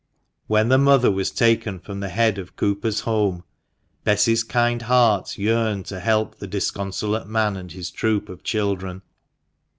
When the mother was taken from the head of Cooper's home, Bess's kind heart yearned to help the disconsolate man and his troop of children.